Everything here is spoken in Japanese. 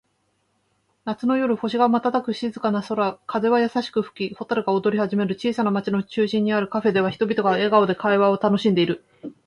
夏の夜、星が瞬く静かな空。風は優しく吹き、蛍が踊り始める。小さな町の中心にあるカフェでは、人々が笑顔で会話を楽しんでいる。